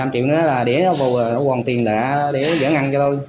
một mươi năm triệu nữa là để vào quần tiền để giải ngân cho tôi